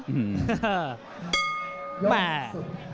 ยกสุดท้าย